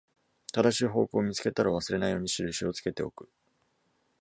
正しい方向を見つけたら、忘れないように印をつけておく